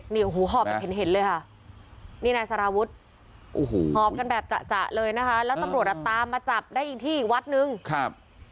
นี่หอบเห็นเลยครับนี่นายสารวุฒิหอบกันแบบจะแล้วตำรวจจะตามมาจับในอีกที่อีกวัดก่อน